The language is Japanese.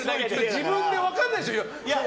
自分で分からないでしょ！